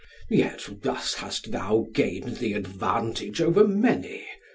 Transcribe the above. Yet, thus hast thou gained the advantage over many.